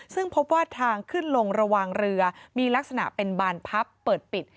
ซึ่งพบว่าทางขึ้นลงระหว่างเรือมีลักษณะเป็นบานพับเปิดปิด